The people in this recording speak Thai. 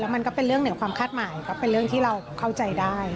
มันก็เป็นเรื่องเหนือความคาดหมายก็เป็นเรื่องที่เราเข้าใจได้